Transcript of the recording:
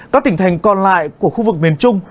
các tỉnh thành còn lại của khu vực miền trung